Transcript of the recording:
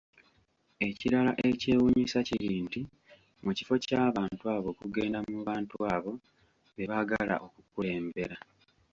Ekirala ekyewuunyisa kiri nti mu kifo kya bantu abo okugenda mu bantu abo bebaagala okukulembera